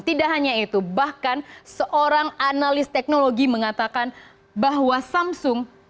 tidak hanya itu bahkan seorang analis teknologi mengatakan bahwa samsung